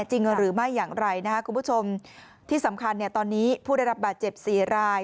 จริงหรือไม่อย่างไรนะครับคุณผู้ชมที่สำคัญเนี่ยตอนนี้ผู้ได้รับบาดเจ็บสี่ราย